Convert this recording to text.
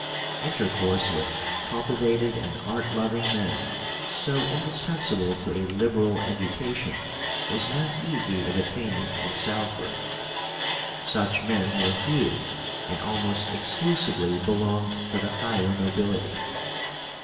Intercourse with cultivated and art loving men, so indispensable to a liberal education, was not easy of attainment in Salzburg. Such men were few, and almost exclusively belonged to the higher nobility.